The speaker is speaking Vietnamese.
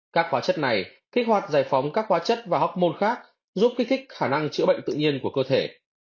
các hóa chất này kích hoạt giải phóng các hóa chất và học môn khác giúp kích thích khả năng chữa bệnh tự nhiên của cơ thể